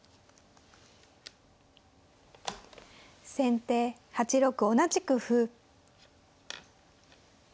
先手８六同じく歩。